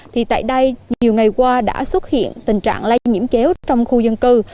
thì tại đây nhiều ngày qua đã xuất hiện tình trạng lây nhiễm chéo trong khu dân cư